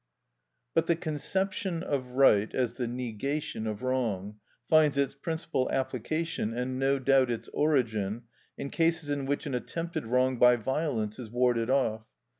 But the conception of right as the negation of wrong finds its principal application, and no doubt its origin, in cases in which an attempted wrong by violence is warded off.